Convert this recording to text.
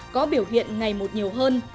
có biểu hiện ngày một nhiều hơn